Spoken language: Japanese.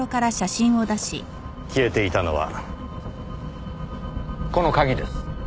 消えていたのはこの鍵です。